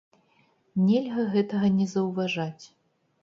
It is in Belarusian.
Нельга гэтага не заўважаць!